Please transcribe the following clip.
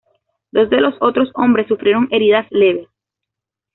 Dos de los otros hombres sufrieron heridas leves.